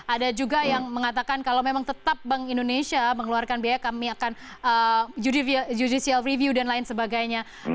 ada juga yang mengatakan kalau memang tetap bank indonesia mengeluarkan biaya kami akan judicial review dan lain sebagainya